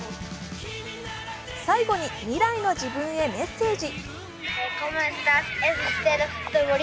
最後に未来の自分へメッセージ。